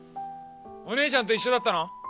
お姉ちゃんと一緒だったの？